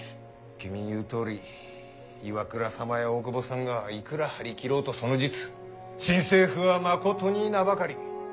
君ん言うとおり岩倉様や大久保さんがいくら張り切ろうとその実新政府はまことに名ばかり。